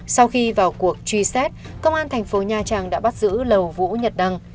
sau khi vào cuộc truy xét công an thành phố nha trang đã bắt giữ lầu vũ nhật đăng